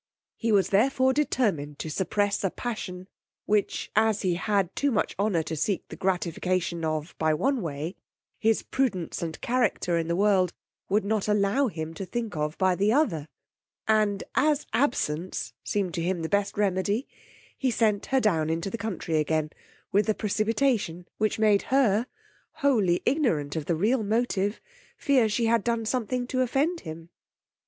He was therefore determined to suppress a passion, which, as he had too much honour to seek the gratification of by one way, his prudence and character in the world would not allow him to think of by the other: and as absence seemed to him the best remedy, he sent her down into the country again with a precipitation, which made her (wholly ignorant of the real motive) fear she had done something to offend him.